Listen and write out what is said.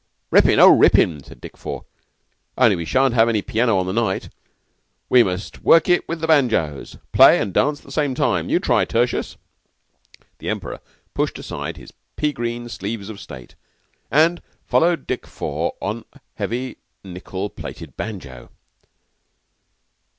"Rippin'! Oh, rippin'!" said Dick Four. "Only we shan't have any piano on the night. We must work it with the banjoes play an' dance at the same time. You try, Tertius." The Emperor pushed aside his pea green sleeves of state, and followed Dick Four on a heavy nickel plated banjo.